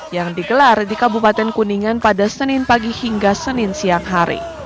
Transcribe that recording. yang digelar di kabupaten kuningan pada senin pagi hingga senin siang hari